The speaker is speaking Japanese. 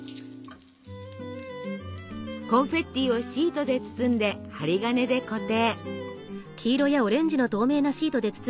コンフェッティをシートで包んで針金で固定。